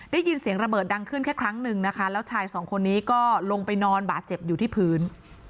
ได้ยินเสียงระเบิดดังขึ้นแค่ครั้งหนึ่งนะคะแล้วชายสองคนนี้ก็ลงไปนอนบาดเจ็บอยู่ที่พื้น